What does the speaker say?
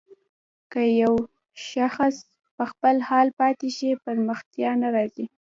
که يو شاخص په خپل حال پاتې شي پرمختيا نه راځي.